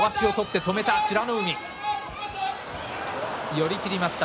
寄り切りました